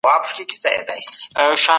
د لویې جرګي غونډه کله پیلیږي؟